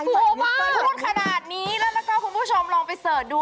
พูดขนาดนี้แล้วก็คุณผู้ชมลองไปเสิร์ชดู